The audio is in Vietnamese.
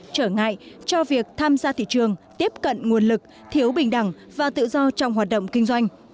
trở ngại cho việc tham gia thị trường tiếp cận nguồn lực thiếu bình đẳng và tự do trong hoạt động kinh doanh